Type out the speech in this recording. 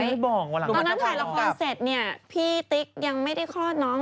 ในตอนนั้นถ่ายรีบร้อยเสร็จเนี่ยพี่ติ๊กยังมันไม่ได้ฆาตน้อง